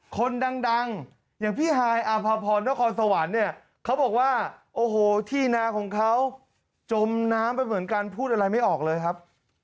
คนดังอย่างพี่ฮายอาภาพรนครสวรรค์เนี่ยเขาบอกว่าโอ้โหที่นาของเขาจมน้ำไปเหมือนกันพูดอะไรไม่ออกเลยครับ